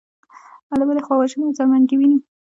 له بلې خوا وژنې او ځانمرګي وینو.